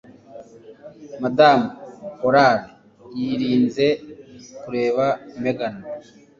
Madamu O'Hara yirinze kureba Megan.